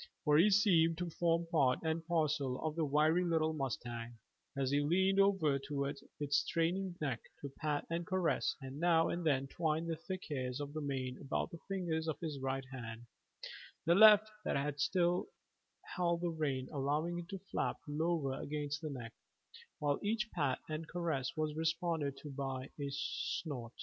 For he seemed to form part and parcel of the wiry little mustang, as he leaned over towards its straining neck to pat and caress and now and then twine the thick hairs of the mane about the fingers of his right hand, the left that still held the rein allowing it to flap lower against the neck, while each pat and caress was responded to by a snort.